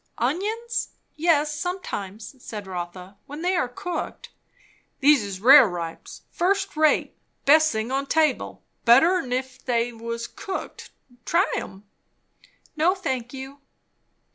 "Onions? Yes, sometimes," said Rotha, "when they are cooked." "These is rareripes. First rate best thing on table. Better 'n if they was cooked. Try 'em?" "No, thank you."